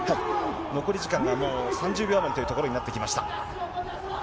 残り時間がもう３０秒余りというところになってきました。